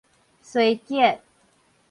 衰竭